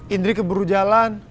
indri keburu jalan